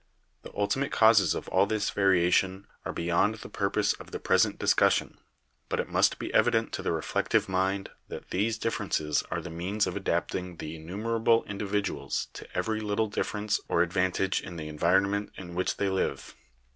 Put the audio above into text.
The ultimate causes of all this variation are beyond the purpose of the present discussion, but it must be evident to the reflective mind that these differ ences are the means of adapting the innumerable indi viduals to every little difference or advantage in the envi ronment in which they live.